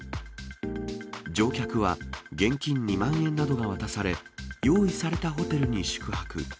乗客は現金２万円などが渡され、用意されたホテルに宿泊。